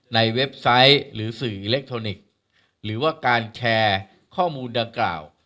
เว็บไซต์หรือสื่ออิเล็กทรอนิกส์หรือว่าการแชร์ข้อมูลดังกล่าว